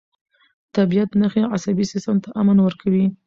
د طبیعت نښې عصبي سیستم ته امن ورکوي.